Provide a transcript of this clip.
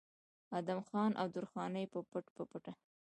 ادم خان او درخانۍ به پټ پټ